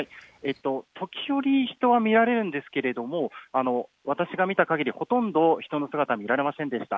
時折、人は見られるんですけれども私が見た限りほとんど人の姿、見られませんでした。